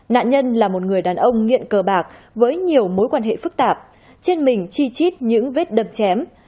nạn nhân là một người đàn ông nghiện cờ bạc với nhiều mối quan hệ phức tạp trên mình chi chít những vết đập chém